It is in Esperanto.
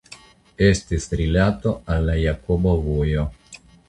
Estis rilato al la Jakoba Vojo.